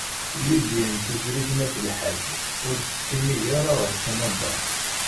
Lidya n Tifrit n At Lḥaǧ ur tettinig ara ɣer Kanada.